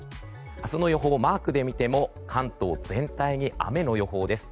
明日の予報をマークで見ても関東全体に雨の予報です。